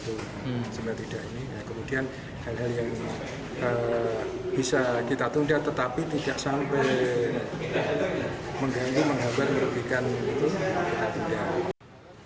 sebenarnya tidak ini kemudian hal hal yang bisa kita tunda tetapi tidak sampai mengganggu menggabar menggabikan itu kita tidak